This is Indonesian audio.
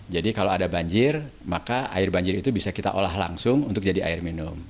jadi kalau ada banjir maka air banjir itu bisa kita olah langsung untuk jadi air minum